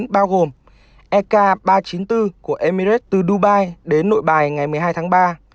bao gồm ek ba trăm chín mươi bốn của emirates từ dubai đến nội bài ngày một mươi hai tháng ba